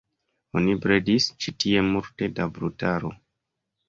Oni bredis ĉi tie multe da brutaro.